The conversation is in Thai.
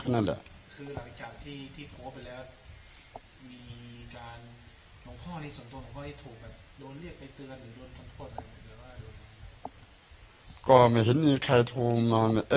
คือหลักจากที่โทษไปแล้วมีการส่วนตัวของพ่อที่ถูกโดนเรียกไปเตือนหรือโดนคำโทษอะไรเหมือนกัน